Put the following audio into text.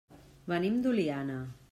Venim d'Oliana.